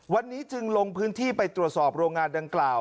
วันนี้จึงลงพื้นที่ไปตรวจสอบโรงงานดังกล่าว